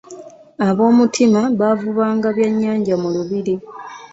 Ab’omutima baavubanga bya nnyanja mu lubiri.